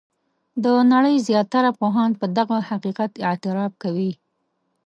د نړۍ زیاتره پوهان په دغه حقیقت اعتراف کوي.